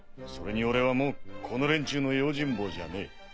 それに俺はもうこの連中の用心棒じゃねえ。